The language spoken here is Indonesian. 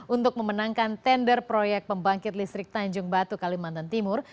untuk memenangkan tender proyek pembangkit listrik tanjung batu kalimantan timur